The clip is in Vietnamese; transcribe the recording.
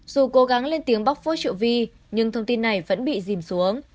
dù cố gắng lên tiếng bóc phố triệu vi nhưng thông tin này vẫn bị dìm xuống